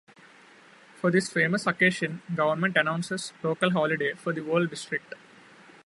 For this famous occasion, government announces local holiday for the whole district.